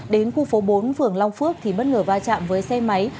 đến khu phố bốn phường long phước thì bất ngờ va chạm với xe máy